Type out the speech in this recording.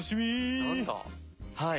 はい。